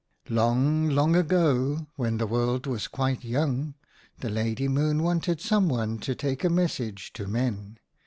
" Long, long ago, when the world was quite young, the Lady Moon wanted some one to take a message to Men.